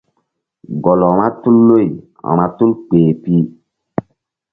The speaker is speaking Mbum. Gɔl vba tul loy vba tul kpeh pi.